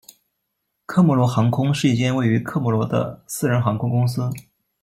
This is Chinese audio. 科摩罗航空是一间位于科摩罗的私人航空公司。